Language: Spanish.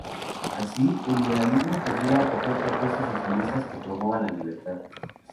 Así, el liberalismo podría acoger propuestas socialistas que promuevan la libertad.